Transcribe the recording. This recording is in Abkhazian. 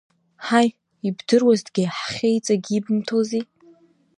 Ҳаи, ибдыруазҭгьы ҳхьы иҵагьы ибымҭози!